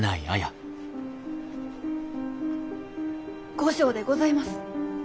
後生でございます。